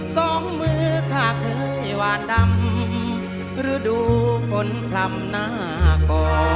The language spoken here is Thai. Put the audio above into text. สองมือข้าเคยหวานดำหรือดูฝนพร่ำหน้ากอ